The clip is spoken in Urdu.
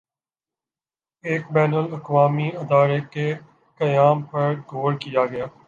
ایک بین الاقوامی ادارے کے قیام پر غور کیا گیا